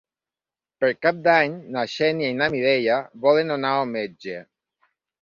Per Cap d'Any na Xènia i na Mireia volen anar al metge.